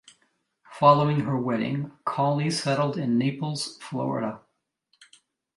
Following her wedding, Cawley settled in Naples, Florida.